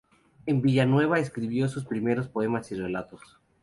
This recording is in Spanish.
En Villanueva escribió sus primeros poemas y relatos.